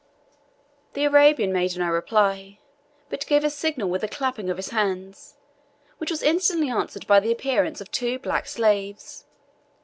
The Arabian made no reply, but gave a signal with a clapping of his hands, which was instantly answered by the appearance of two black slaves.